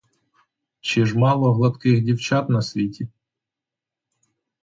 Чи ж мало гладких дівчат на світі?